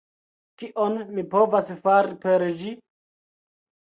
Kion mi povas fari per ĝi?